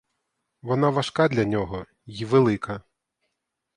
Вона важка для нього й велика.